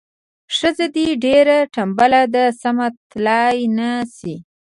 ښځه دې ډیره تنبله ده سمه تلای نه شي.